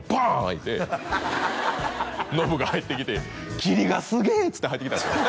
開いてノブが入ってきて「霧がすげえ」っつって入ってきたんですよ